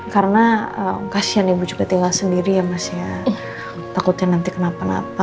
karena kasian ibu juga tinggal sendiri ya mas ya takutnya nanti kenapa napa